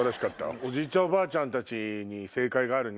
おじいちゃんおばあちゃんたちに正解があるね。